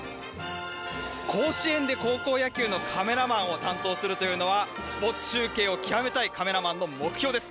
甲子園で高校野球のカメラマンを担当するというのはスポーツ中継を極めたいカメラマンの目標です。